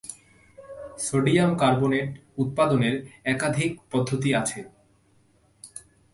Sodium carbonate উৎপাদনের একাধিক পদ্ধতি আছে।